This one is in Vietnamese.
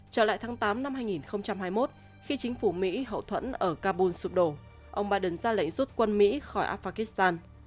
trở lại tháng tám năm hai nghìn hai mươi một khi chính phủ mỹ hậu thuẫn ở kabul sụp đổ ông biden ra lệnh rút quân mỹ khỏi afghanistan